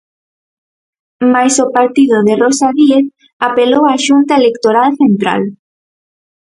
Mais o partido de Rosa Díez apelou á Xunta Electoral Central.